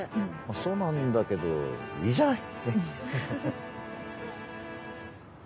そうなんだけどいいじゃないねっ。